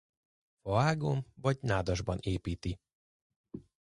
Faágon vagy nádasban építi.